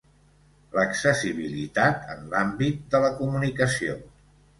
L'accessibilitat en l'àmbit de la comunicació.